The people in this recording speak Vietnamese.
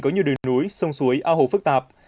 có nhiều đường núi sông suối ao hồ phức tạp